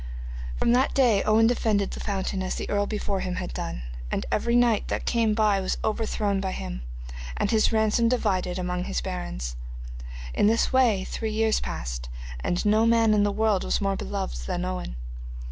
From that day Owen defended the fountain as the earl before him had done, and every knight that came by was overthrown by him, and his ransom divided among his barons. In this way three years passed, and no man in the world was more beloved than Owen.